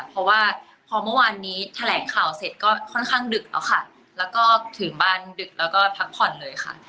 เพราะว่าพอเมื่อวานนี้แถลงข่าวเสร็จก็ค่อนข้างดึกแล้วค่ะแล้วก็ถึงบ้านดึกแล้วก็พักผ่อนเลยค่ะ